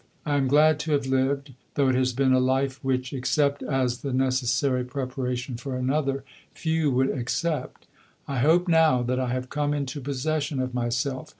I am glad to have lived; though it has been a life which, except as the necessary preparation for another, few would accept. I hope now that I have come into possession of myself.